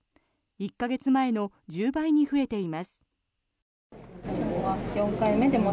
１か月前の１０倍に増えています。